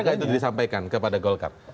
pernah nggak itu disampaikan kepada golkar